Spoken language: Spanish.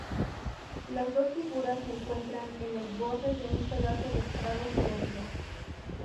Las dos figuras se encuentran en el borde de un pedazo de prado florido.